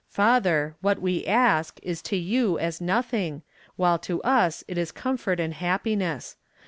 Father, what we ask is to you as nothing, while to us it is comfort and happiness.